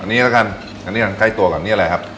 อันนี้ละกันอันนี้กันใกล้ตัวกับอันนี้อะไรครับ